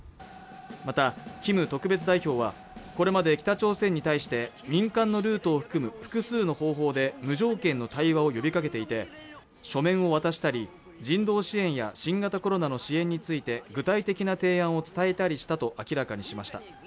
またキム特別代表はこれまで北朝鮮に対して民間のルートを含む複数の方法で無条件の対話を呼びかけていて書面を渡したり人道支援や新型コロナの支援について具体的な提案を伝えたりしたと明らかにしました